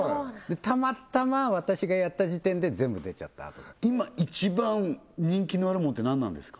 たまたま私がやった時点で全部出ちゃったあと今一番人気のあるものって何なんですか？